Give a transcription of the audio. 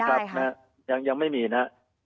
ไม่มีครับนะยังไม่มีนะ